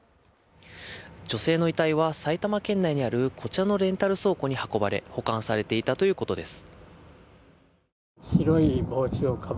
女性の遺体は埼玉県内にあるこちらのレンタル倉庫に運ばれ、保管されていたということです。